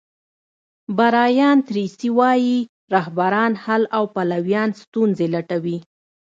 برایان تریسي وایي رهبران حل او پلویان ستونزې لټوي.